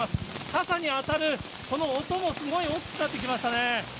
傘に当たるこの音も、すごい大きくなってきましたね。